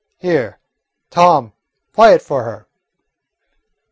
Here, Tom, play it for her."